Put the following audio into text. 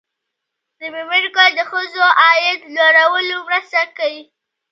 د میرمنو کار د ښځو عاید لوړولو مرسته کوي.